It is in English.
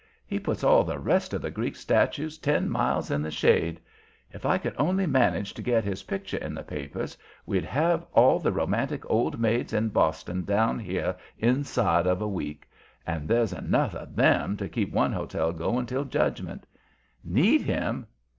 He puts all the rest of the Greek statues ten miles in the shade. If I could only manage to get his picture in the papers we'd have all the romantic old maids in Boston down here inside of a week; and there's enough of THEM to keep one hotel going till judgment. Need him?